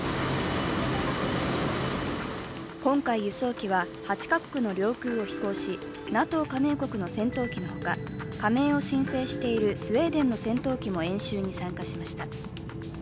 今回、輸送機は８か国の領空を飛行し、ＮＡＴＯ加盟国の戦闘機のほか、加盟を申請しているスウェーデンの戦闘機も演習に参加しました。